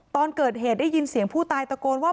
ตอนเกิดเหตุได้ยินเสียงผู้ตายตะโกนว่า